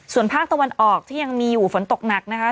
ส่วนภาคตะวันออกที่ยังมีอยู่ฝนตกหนักนะคะ